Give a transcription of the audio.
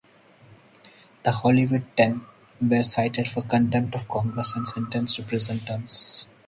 The "Hollywood Ten" were cited for contempt of Congress and sentenced to prison terms.